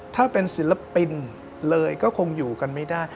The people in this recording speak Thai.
ถ้าเป็นศิลปินเลยก็คงอยู่กันไม่ได้